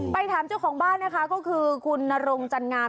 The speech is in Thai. ถามเจ้าของบ้านนะคะก็คือคุณนรงจันงาม